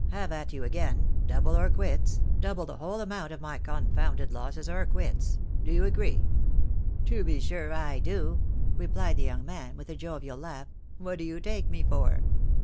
have at you again — double or quits — double the whole of my confounded losses, or quits. Do you agree?" " To be sure I do, " rephed the young man, with a jovial laugh. " What do you take me for